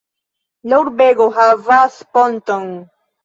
La urbego havas ponton.